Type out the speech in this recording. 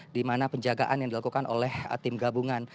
di mana penjagaan yang dilakukan oleh tim gabungan